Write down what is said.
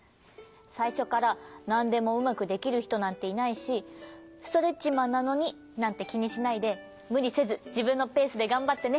さいしょからなんでもうまくできるひとなんていないし「ストレッチマンなのに」なんてきにしないでむりせずじぶんのペースでがんばってね。